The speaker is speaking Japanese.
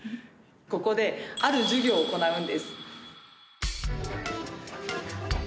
ここである授業を行うんです。